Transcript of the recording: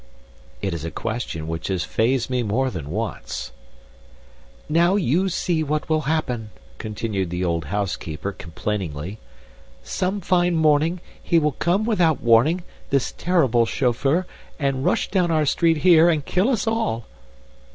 It is a question which has phased me more than once. "Now you see what will happen," continued the old housekeeper, complainingly. "Some fine morning, he will come without warning, this terrible chauffeur, and rush down our street here, and kill us all!"